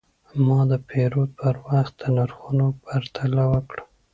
ما د پیرود پر وخت د نرخونو پرتله وکړه.